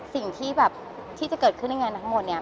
สิ่งที่แบบที่จะเกิดขึ้นในงานทั้งหมดเนี่ย